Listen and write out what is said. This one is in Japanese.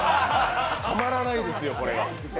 止まらないですよ、これは。